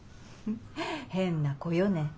変な子よね。